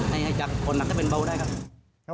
ให้จัดคนหนักได้เป็นเบาหนึ่งได้ครับ